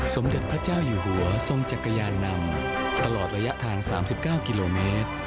สมเด็จพระเจ้าอยู่หัวทรงจักรยานนำตลอดระยะทาง๓๙กิโลเมตร